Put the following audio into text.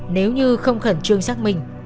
nếu như không khẩn trương xác mình